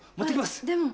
でも。